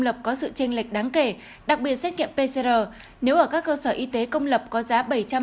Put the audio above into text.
lập có sự tranh lệch đáng kể đặc biệt xét nghiệm pcr nếu ở các cơ sở y tế công lập có giá